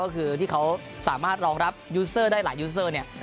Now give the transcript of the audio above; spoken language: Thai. ก็คือที่เขาสามารถรองรับยูเซอร์ได้หลายยูเซอร์เนี่ย